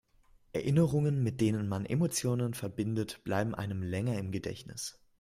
Erinnerungen, mit denen man Emotionen verbindet, bleiben einem länger im Gedächtnis.